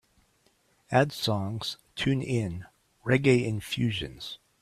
add songs tune in Reggae Infusions